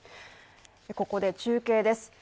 ここで中継です。